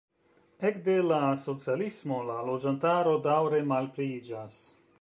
Ekde la socialismo la loĝantaro daŭre malpliiĝas.